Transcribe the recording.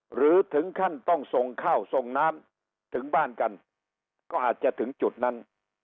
หรือถึงขั้นต้องส่งข้าวส่งน้ำถึงบ้านกันก็อาจจะถึงจุดนั้น